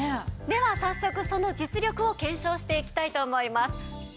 では早速その実力を検証していきたいと思います。